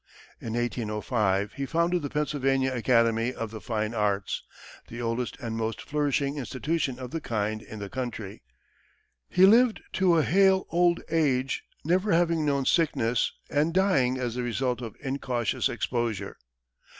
In 1805, he founded the Pennsylvania Academy of the Fine Arts, the oldest and most flourishing institution of the kind in the country. He lived to a hale old age, never having known sickness, and dying as the result of incautious exposure.